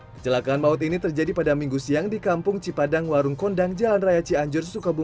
kecelakaan maut ini terjadi pada minggu siang di kampung cipadang warung kondang jalan raya cianjur sukabumi